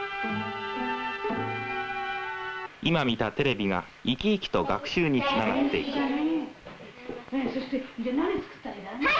今見たテレビが生き生きと学習につながっていくはい！